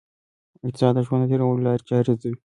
اقتصاد د ژوند د تېرولو لاري چاري ارزوي.